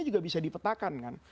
juga bisa dipetakan kan